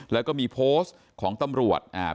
แล้วก็มีโพสต์ของตำรวจอ่า